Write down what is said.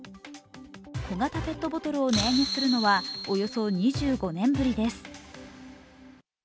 小型ペットボトルを値上げするのはおよそ２５年ぶりです。